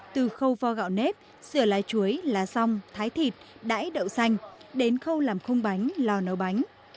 từ khâu vo gạo nếp sửa lá chuối lá xong thái thịt đãi đậu xanh đến khâu làm khung bánh lò nấu bánh